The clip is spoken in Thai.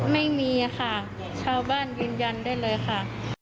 ไม่มีค่ะชาวบ้านยืนยันได้เลยค่ะ